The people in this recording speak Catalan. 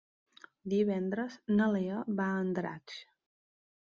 Divendres na Lea va a Andratx.